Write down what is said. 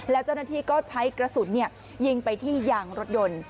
แล้วเจ้าหน้าที่ก็ใช้กระสุนยิงไปที่ยางรถยนต์